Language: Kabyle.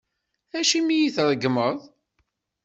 Acimi i yi-treggmeḍ?